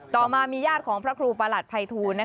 ต่อมามีญาติของพระครูประหลัดภัยทูล